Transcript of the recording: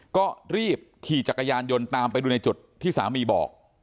ก็รีบขี่จักรยานยนต์ตามไปดูในจุดที่สามีบอก